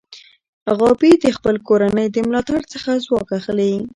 غابي د خپل کورنۍ د ملاتړ څخه ځواک اخلي.